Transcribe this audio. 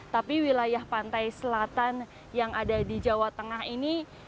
tapi wilayah pantai selatan yang ada di jawa tengah ini